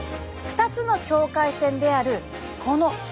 ２つの境界線であるこの筋。